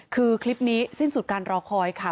คือคลิปนี้สิ้นสุดการรอคอยค่ะ